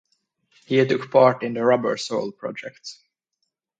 He took part in the Rubber Soul Project.